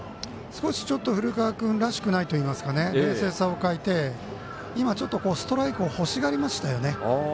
少しちょっと古川君らしくないといいますか冷静さを欠いて今ちょっとストライクを欲しがりましたよね。